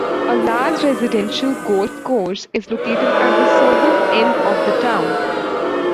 A large residential golf course is located at the southern end of the town.